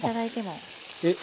えっ⁉